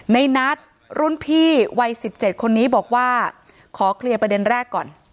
ในนัดรุ่นพี่วัย๑๗คนนี้บอกว่าขอเคลียร์ประเด็นแรกก่อน